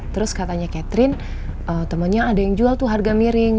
terus katanya catherine temennya ada yang jual tuh harga miring